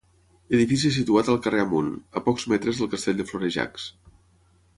Edifici situat al carrer Amunt, a pocs metres del castell de Florejacs.